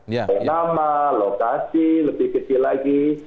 kayak nama lokasi lebih kecil lagi